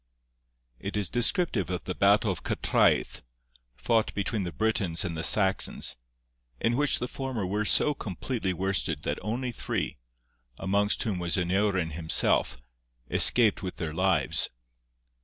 It is descriptive of the battle of Cattraeth, fought between the Britons and the Saxons, in which the former were so completely worsted that only three, amongst whom was Aneurin himself, escaped with their lives.